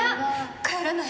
帰らない。